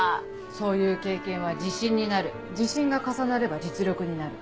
そういう経験は自信になる自信が重なれば実力になる。